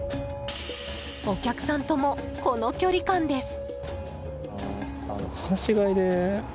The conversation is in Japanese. お客さんとも、この距離感です。